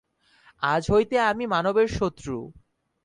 আজ হইতে আমি মানবের শত্রু।